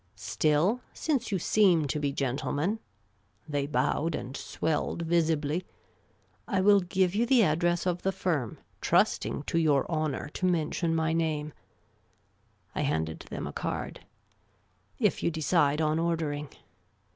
Still, since you seem to be gentlemen "— they bowed and swelled visibly, —" I will give you the address of the firm, trusting to your honour to mention mj^ name "— I handed them a card —'' if you decide on ordering.